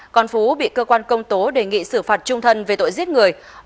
còn phú bị cơ quan công tố đề nghị xử phạt trung thân về tội giết người